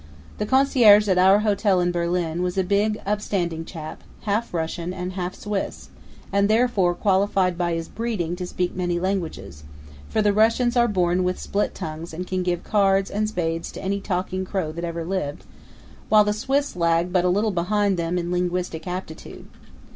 The concierge at our hotel in Berlin was a big, upstanding chap, half Russian and half Swiss, and therefore qualified by his breeding to speak many languages; for the Russians are born with split tongues and can give cards and spades to any talking crow that ever lived; while the Swiss lag but little behind them in linguistic aptitude.